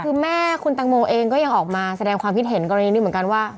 คือแม่คุณตังโมเองก็ยังออกมาแสดงความคิดเห็นกรณีนี้เหมือนกันว่า